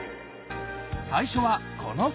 最初はこの曲！